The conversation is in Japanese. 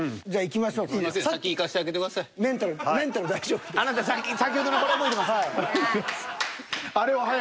じゃあいきましょう華丸さん。